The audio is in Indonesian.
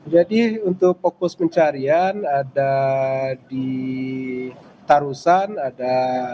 jadi untuk fokus pencarian ada di tarusan ada